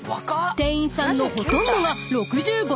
［店員さんのほとんどが］